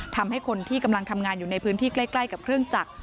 ทำให้คนที่กำลังทำงานอยู่ในพื้นที่ใกล้กับเครื่องจักร